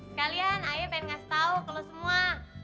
sekalian aye pengen ngasih tau ke lo semua